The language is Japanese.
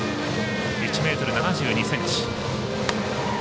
１ｍ７２ｃｍ。